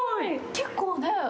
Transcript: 結構ね。